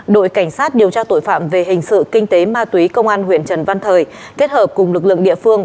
đội cảnh sát điều tra tội phạm về hình sự kinh tế ma túy công an huyện trần văn thời kết hợp cùng lực lượng địa phương